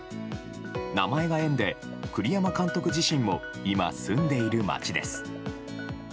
名前が縁で、栗山監督自身も今、住んでいる町です。